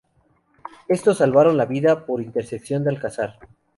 Estos salvaron la vida por intercesión de Alcázar.